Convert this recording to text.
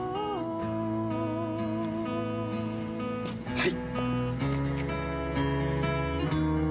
はい！